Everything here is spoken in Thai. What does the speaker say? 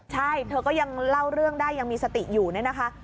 ใช่เธอก็ยังเล่าเรื่องได้ยังมีสติอยู่เนี่ยนะคะ